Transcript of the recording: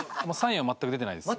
全く出てないんですか？